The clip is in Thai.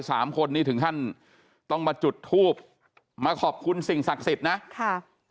สามคนนี้ถึงขั้นต้องมาจุดทูบมาขอบคุณสิ่งศักดิ์สิทธิ์นะค่ะ